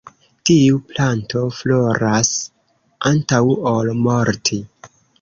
Tiu planto floras antaŭ ol morti.